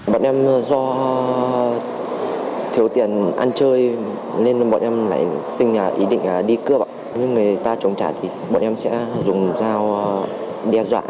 bọn em sẽ dùng dao đe dọa